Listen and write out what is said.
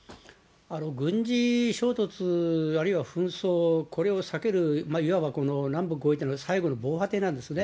軍事衝突、あるいは紛争、これを避ける、いわばこの南北合意というのは最後の防波堤なんですね。